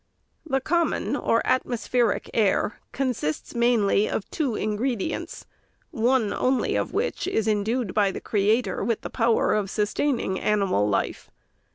The common, or atmospheric, air, consists, mainly, of two ingredients, one only of which is endued by the Creator with the power of sustaining animal life.